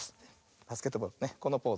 バスケットボールねこのポーズ。